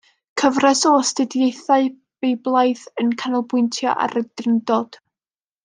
Cyfres o astudiaethau Beiblaidd yn canolbwyntio ar y Drindod.